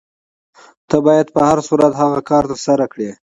ته باید په هر صورت هغه کار ترسره کړې.